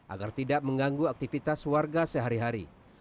agar tidak mengganggu aktivitas warga sehari hari